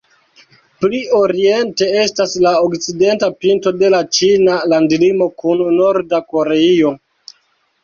Pli oriente estas la okcidenta pinto de la ĉina landlimo kun Norda Koreio.